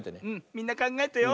みんなかんがえてよ。